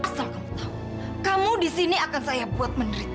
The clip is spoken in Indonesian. asal kau tahu kamu di sini akan saya buat menderita